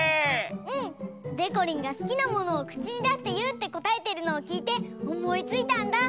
うん！でこりんが「すきなものをくちにだしていう」ってこたえてるのをきいておもいついたんだ！